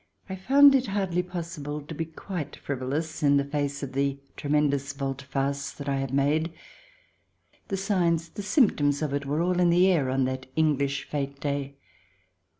I found it hardly possible to be quite frivolous in the face of the tremendous volte face that I have made. The signs, the symptoms, of it were all in the air on that English fete day.